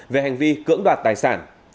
về hành vi cưỡng đoạt tài sản